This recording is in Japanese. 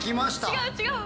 違う違う！